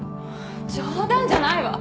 冗談じゃないわ！